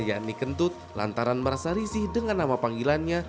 yakni kentut lantaran merasa risih dengan nama panggilannya